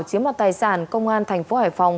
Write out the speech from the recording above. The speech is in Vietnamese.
chiếm đoạt tài sản công an thành phố hải phòng